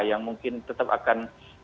yang mungkin tetap akan